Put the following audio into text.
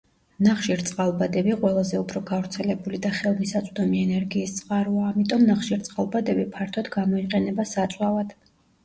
ნახშირწყალბადები ყველაზე უფრო გავრცელებული და ხელმისაწვდომი ენერგიის წყაროა, ამიტომ ნახშირწყალბადები ფართოდ გამოიყენება საწვავად.